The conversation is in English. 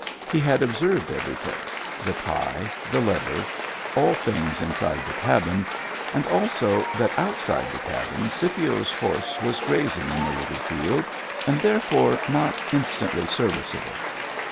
He had observed everything: the pie, the letter, all things inside the cabin, and also that outside the cabin Scipio's horse was grazing in the little field, and therefore not instantly serviceable.